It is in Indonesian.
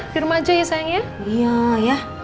di rumah aja ya sayang ya